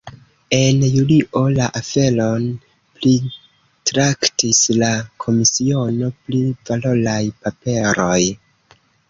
En julio la aferon pritraktis la komisiono pri valoraj paperoj.